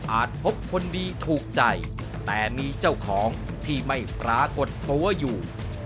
พบคนดีถูกใจแต่มีเจ้าของที่ไม่ปรากฏตัวอยู่